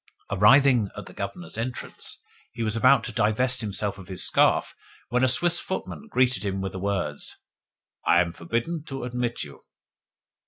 Arrived at the Governor's entrance, he was about to divest himself of his scarf when a Swiss footman greeted him with the words, "I am forbidden to admit you."